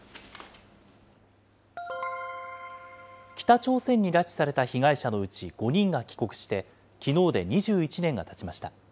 北朝鮮に拉致された被害者のうち５人が帰国して、きのうで２１年がたちました。